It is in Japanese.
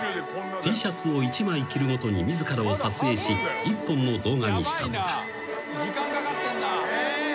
Ｔシャツを１枚着るごとに自らを撮影し１本の動画にしたのだ］